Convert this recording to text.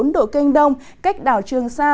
một trăm một mươi hai bốn độ kênh đông cách đảo trường sa